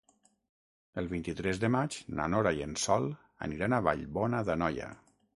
El vint-i-tres de maig na Nora i en Sol aniran a Vallbona d'Anoia.